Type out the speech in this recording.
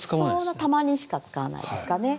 たまにしか使わないですかね。